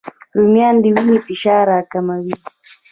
رومیان د وینې فشار راکموي